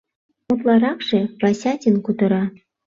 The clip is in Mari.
Утларакше Васятин кутыра.